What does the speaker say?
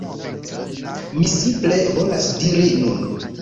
Mi simple volas diri nun